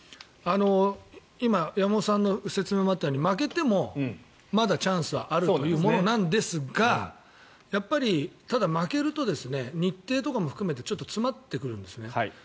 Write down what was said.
今、山本さんの説明にもあったように負けてもまだチャンスはあるんですがやっぱり、ただ、負けると日程とかも含めてちょっと詰まってくるんですね。